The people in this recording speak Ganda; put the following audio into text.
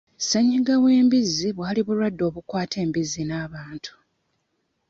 Ssennyinga w'embizzi bwali bulwadde obwakata embizzi n'abantu.